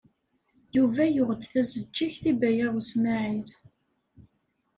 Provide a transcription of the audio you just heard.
Yuba yuɣ-d tazeǧǧigt i Baya U Smaɛil.